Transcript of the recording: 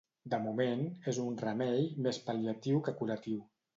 De moment, és un remei més pal·liatiu que curatiu.